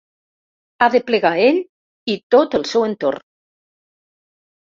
Ha de plegar ell i tot el seu entorn.